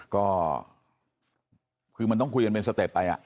ก็คือมันต้องคุยกันเป็นสเต็ปไป